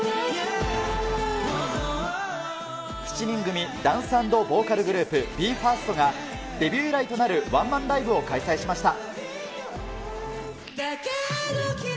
７人組ダンス＆ボーカルグループ、ＢＥ：ＦＩＲＳＴが、デビュー以来となるワンマンライブを開催しました。